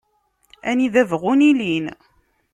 Anida bɣun alin.